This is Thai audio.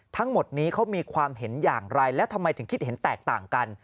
ทั้งหมดนี้เขามีความเห็นอย่างไรและทำไมถึงคิดเห็นแตกต่างกัน